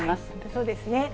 そうですね。